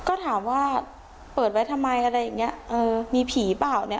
ก็ถามว่าเปิดไว้ทำไมอะไรอย่างนี้มีผีเปล่า